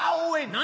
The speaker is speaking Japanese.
何？